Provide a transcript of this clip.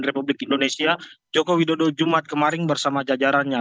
republik indonesia joko widodo jumat kemarin bersama jajarannya